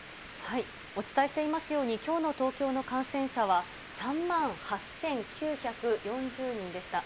お伝えしていますように、きょうの東京の感染者は、３万８９４０人でした。